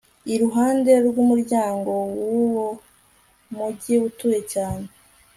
iruhande rw'umuryango w'uwo mugi utuwe cyane